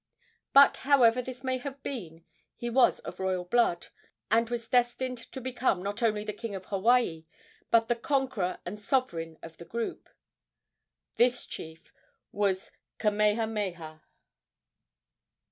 But, however this may have been, he was of royal blood, and was destined to become not only the king of Hawaii, but the conqueror and sovereign of the group. This chief was Kamehameha.